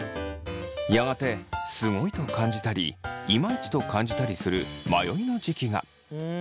やがてすごいと感じたりイマイチと感じたりする迷いの時期が。